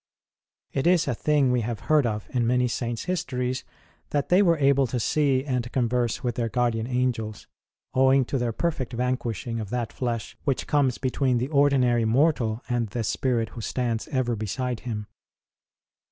It is a thing we have heard of in many Saints histories, that they were able to see and converse with their guardian angels, owing to their perfect vanquishing of that flesh which comes between the ordinary mortal and the spirit who stands ever beside him.